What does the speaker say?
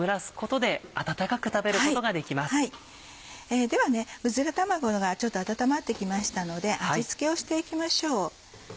ではうずら卵が温まってきましたので味付けをしていきましょう。